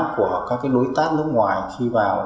của các đối tác nước ngoài khi vào